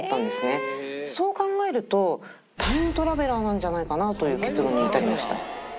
そう考えるとタイムトラベラーなんじゃないかなという結論に至りました。